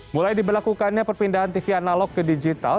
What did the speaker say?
mulai diberlakukannya perpindahan tv analog ke digital